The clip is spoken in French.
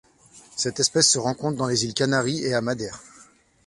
Cette espèce se rencontre dans les îles Canaries et à Madère.